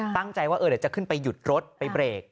ตั้งใจว่าเดี๋ยวจะขึ้นไปหยุดรถไปเบรก